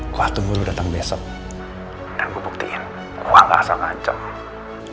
gua tunggu lo datang besok dan gua buktiin gua gak asal ngajak lo